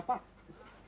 bapak sudah berubah